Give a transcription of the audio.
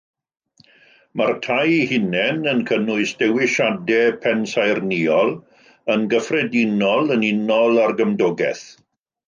Mae'r tai eu hunain yn cynnwys dewisiadau pensaernïol yn gyffredinol yn unol â'r gymdogaeth.